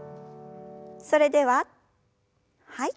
それでははい。